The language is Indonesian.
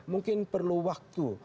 mungkin perlu waktu